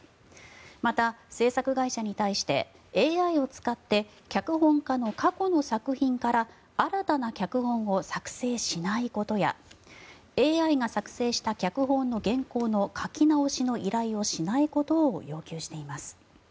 また、制作会社に対してＡＩを使って脚本家の過去の作品から新たな脚本を作成しないことやＡＩが作成した脚本の原稿の書き直しの依頼をしないことを要求しています。